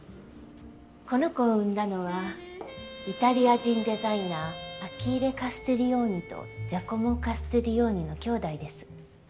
この子を生んだのはイタリア人デザイナーアキッレ・カスティリオーニとジャコモ・カスティリオーニの兄弟です。